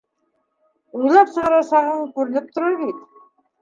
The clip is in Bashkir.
— Уйлап сығарасағың күренеп тора бит.